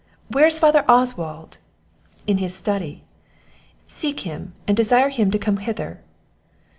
"Where is father Oswald?" "In his study." "Seek him, and desire him to come hither."